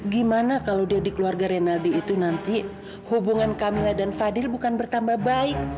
gimana kalau dia di keluarga renaldi itu nanti hubungan kamila dan fadil bukan bertambah baik